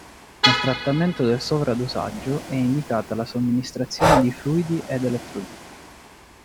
Nel trattamento del sovradosaggio è indicata la somministrazione di fluidi ed elettroliti.